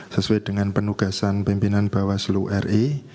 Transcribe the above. sesuai dengan penugasan pimpinan bawah seluruh ri